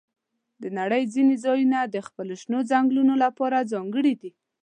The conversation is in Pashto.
د نړۍ ځینې ځایونه د خپلو شنو ځنګلونو لپاره ځانګړي دي.